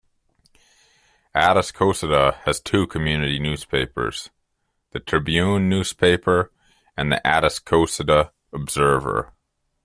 Atascocita has two community newspapers, "The Tribune Newspaper" and "The Atascocita Observer".